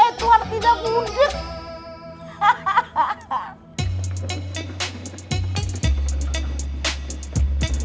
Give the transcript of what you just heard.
edward tidak mudik